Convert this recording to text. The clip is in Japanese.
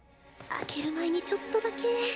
開ける前にちょっとだけ。